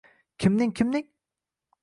— Kimning-kimning?